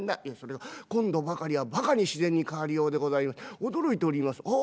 「いやそれが今度ばかりはバカに自然に変わりようでございまして驚いております」。